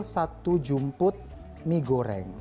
satu jumput mie goreng